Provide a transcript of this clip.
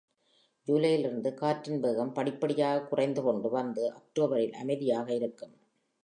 ஜூலையிலிருந்து காற்றின் வேகம் படிப்படியாகக் குறைந்து கொண்டு வந்து, அக்டோபரில் அமைதியாக இருக்கும்.